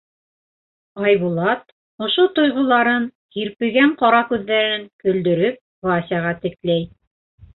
Айбулат, ошо тойғоларын һирпегән ҡара күҙҙәрен көлдөрөп, Васяға текләй.